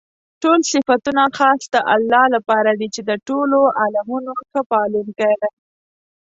ټول صفتونه خاص د الله لپاره دي چې د ټولو عالَمونو ښه پالونكى دی.